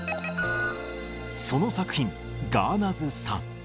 その作品、ガーナズサン。